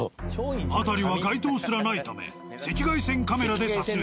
辺りは街灯すらないため赤外線カメラで撮影。